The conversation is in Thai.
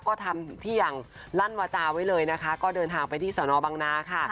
ก็ทำที่อย่างลั่นวาจาไว้เลยนะคะก็เดินทางไปที่สอนอบังนาค่ะ